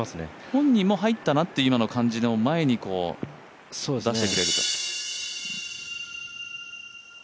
本人も入ったなという気持ちの前に出してくれると。